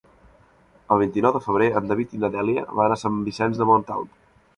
El vint-i-nou de febrer en David i na Dèlia van a Sant Vicenç de Montalt.